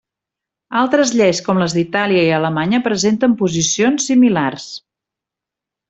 Altres lleis com les d'Itàlia i Alemanya presenten posicions similars.